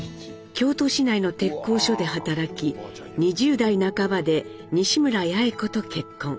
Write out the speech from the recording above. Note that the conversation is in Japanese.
京都市内の鉄工所で働き２０代半ばで西村八重子と結婚。